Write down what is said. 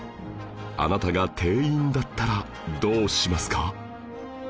あなたが店員だったらどうしますか？